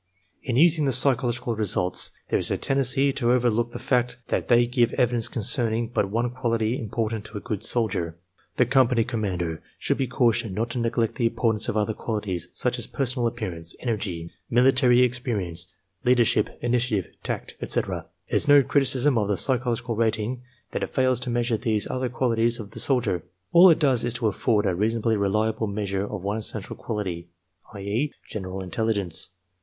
In using the psychological results there is a tendency to over look the fact that they give evidence concerning but one quality important in a good soldier. The company commander should be cautioned not to neglect the importance of other qualities, such as personal appearance, energy, military experience, leadership, initiative, tact, etc. It is no criticism of the psycho logical rating that it fails to measure these other qualities of ( the soldier. All it does is to afford a reasonably reliable measure of one essential quality — ^i. e., general intelligence.